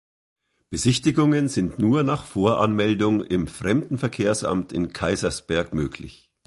Besichtigungen sind nur nach Voranmeldung im Fremdenverkehrsamt in Kaysersberg möglich.